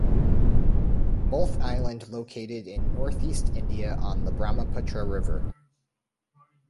Both island located in North East India on the Brahmaputra River.